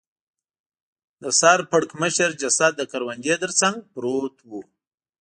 د سر پړکمشر جسد د کروندې تر څنګ پروت و.